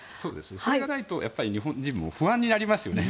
それがないと日本人も不安になりますよね。